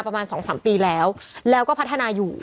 ประมาณ๒๓ปีแล้วแล้วก็พัฒนาอยู่